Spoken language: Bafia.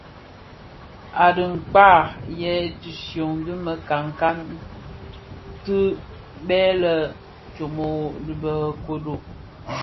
A dhikpää, yè tishyō ti mekankan ti bë lè Ntsomorogo dhi bë ködő.